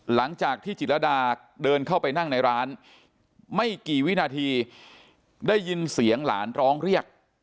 หลังจากที่จิตรดาเดินเข้าไปนั่งในร้านไม่กี่วินาทีได้ยินเสียงหลานร้องเรียก